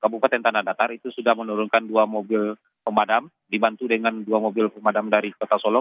kabupaten tanah datar itu sudah menurunkan dua mobil pemadam dibantu dengan dua mobil pemadam dari kota solo